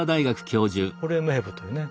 ホルエムヘブというね